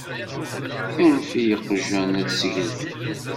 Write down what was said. Anef i yeqjan ad ssgelfen.